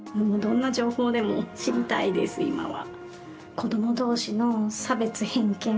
今は。